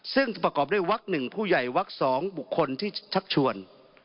ซึ่งจะประกอบด้วยวักหนึ่งผู้ใหญ่วักสองบุคคลที่ชัดชวน